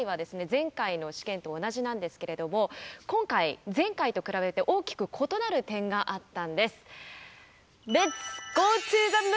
前回の試験と同じなんですけれども今回前回と比べて大きく異なる点があったんです。